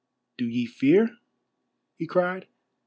"Do ye fear?" he cried.